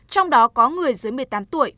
trong đó có người dưới một mươi tám tuổi